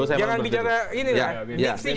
jangan bicara ini lah